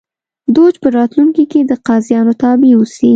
دوج په راتلونکي کې د قاضیانو تابع اوسي